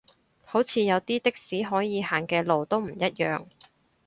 好似有啲的士可以行嘅路都唔一樣